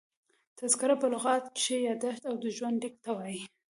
تذکره په لغت کښي یاداشت او ژوند لیک ته وايي.